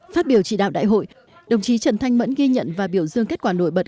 phát biểu chỉ đạo đại hội đồng chí trần thanh mẫn ghi nhận và biểu dương kết quả nổi bật